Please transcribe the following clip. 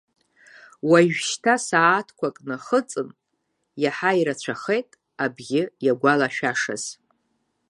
Уажәшьта сааҭқәак нахыҵын, иаҳа ирацәахеит абӷьы иагәалашәашаз.